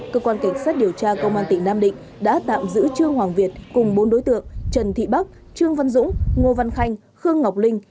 cơ quan cảnh sát điều tra công an tỉnh nam định đã tạm giữ trương hoàng việt cùng bốn đối tượng trần thị bắc trương văn dũng ngô văn khanh khương ngọc linh